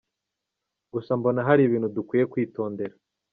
Gusa mbona hari ibintu dukwiye kwitondera.